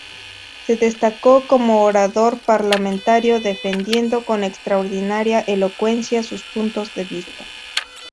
Se destacó como orador parlamentario, defendiendo con extraordinaria elocuencia sus puntos de vista.